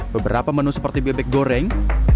beberapa menu seperti bebek goreng